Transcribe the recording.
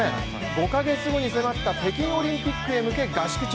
５カ月後に迫った北京オリンピックへ向け合宿中。